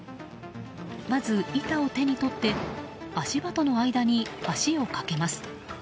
まず板を手に取って足場との間に橋を架けます。